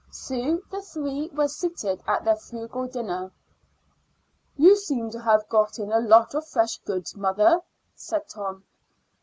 Soon the three were seated at their frugal dinner. "You seem to have got in a lot of fresh goods, mother," said Tom.